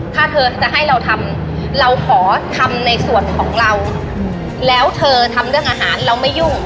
ถ้าเธอจะให้เราทำเราขอทำในส่วนของเราแล้วเธอทำเรื่องอาหารเราไม่ยุ่ง